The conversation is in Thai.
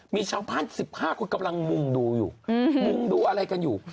มีชาวบ้าน๑๕คนกำลังมุ่งดูอยู่มุงดูอะไรกันอยู่